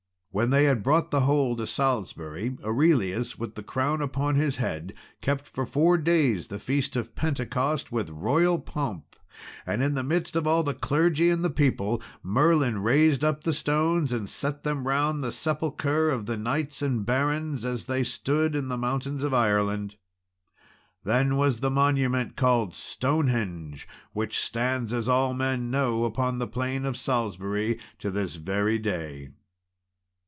When they had brought the whole to Salisbury, Aurelius, with the crown upon his head, kept for four days the feast of Pentecost with royal pomp; and in the midst of all the clergy and the people, Merlin raised up the stones, and set them round the sepulchre of the knights and barons, as they stood in the mountains of Ireland. Then was the monument called "Stonehenge," which stands, as all men know, upon the plain of Salisbury to this very day.